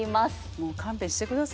もう勘弁してくださいよ